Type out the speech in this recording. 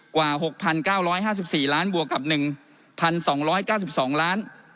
กว่า๖๙๕๔ล้านบวกกับ๑๒๙๒ล้าน